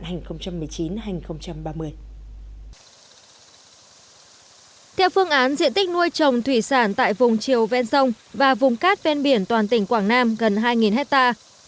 theo phương án diện tích nuôi trồng thủy sản tại vùng chiều ven sông và vùng cát ven biển toàn tỉnh quảng nam gần hai hectare